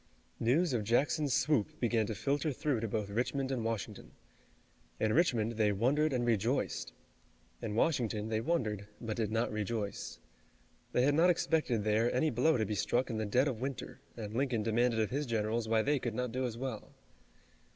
News of Jackson's swoop began to filter through to both Richmond and Washington. In Richmond they wondered and rejoiced. In Washington they wondered, but did not rejoice. They had not expected there any blow to be struck in the dead of winter, and Lincoln demanded of his generals why they could not do as well.